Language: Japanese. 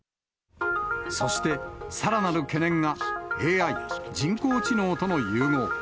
そしてさらなる懸念がＡＩ・人工知能との融合。